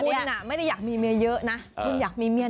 คุณไม่ได้อยากมีเมียเยอะนะคุณอยากมีเมีย